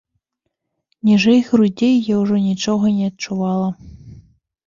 Ніжэй грудзей я ўжо нічога не адчувала.